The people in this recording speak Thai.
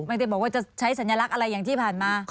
ไม่ได้บอกว่าจะใช้สัญลักษณ์อะไรอย่างที่ผ่านมา